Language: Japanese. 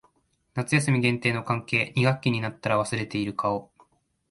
夏休み限定の関係。二学期になったら忘れている顔。